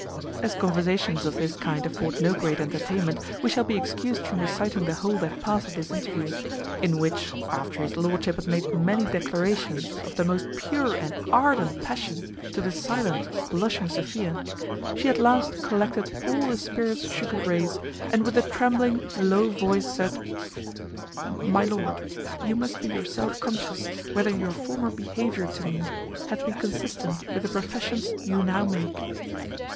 As conversations of this kind afford no great entertainment, we shall be excused from reciting the whole that past at this interview; in which, after his lordship had made many declarations of the most pure and ardent passion to the silent blushing Sophia, she at last collected all the spirits she could raise, and with a trembling low voice said, "My lord, you must be yourself conscious whether your former behaviour to me hath been consistent with the professions you now make."